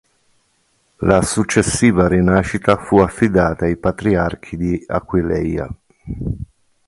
La successiva rinascita fu affidata ai Patriarchi di Aquileia.